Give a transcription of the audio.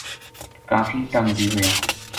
کافی تنگ بے ہویا